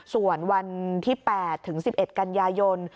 ส่วนวันที่๘ถึง๑๑กันยายน